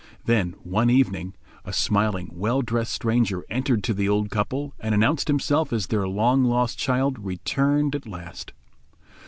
Then one evening, a smiling, well dressed stranger entered to the old couple, and announced himself as their long lost child, returned at last.